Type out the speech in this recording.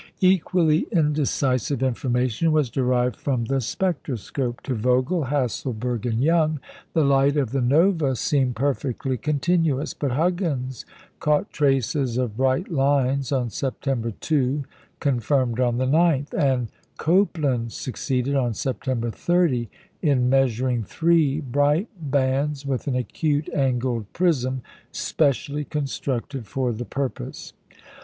Equally indecisive information was derived from the spectroscope. To Vogel, Hasselberg, and Young, the light of the "Nova" seemed perfectly continuous; but Huggins caught traces of bright lines on September 2, confirmed on the 9th; and Copeland succeeded, on September 30, in measuring three bright bands with an acute angled prism specially constructed for the purpose.